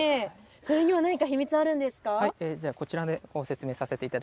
それには何か秘密あるんですか。